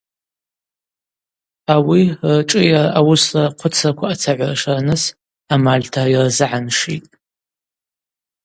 Ауи рыршӏыйара ауысла рхъвыцраква ацагӏвыршарныс амальта йырзыгӏаншитӏ.